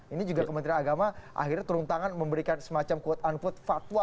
ini juga kementerian agama akhirnya turun tangan memberikan semacam quote unquote fatwa